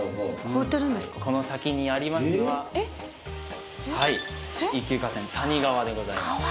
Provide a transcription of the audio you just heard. この先にありますのは一級河川谷川でございます。